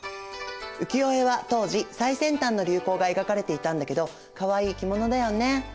浮世絵は当時最先端の流行が描かれていたんだけどかわいい着物だよね。